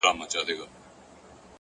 صبر د بریا د پخېدو فصل دی